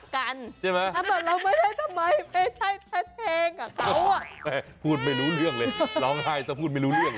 ก็บอกว่าเราไม่ท์ทำไมเขาอ่ะ